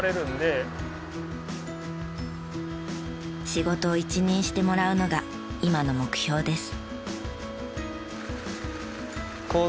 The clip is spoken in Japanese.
仕事を一任してもらうのが今の目標です。